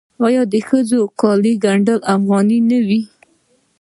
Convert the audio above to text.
آیا د ښځو کالي ګنډ افغاني نه وي؟